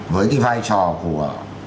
với cái vai trò của